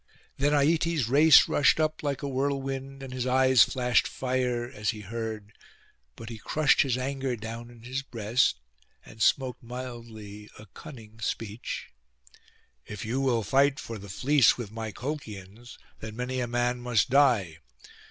Then Aietes' race rushed up like a whirlwind, and his eyes flashed fire as he heard; but he crushed his anger down in his breast, and spoke mildly a cunning speech— 'If you will fight for the fleece with my Colchians, then many a man must die.